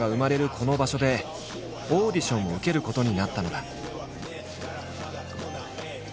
この場所でオーディションを受けることになったのだ。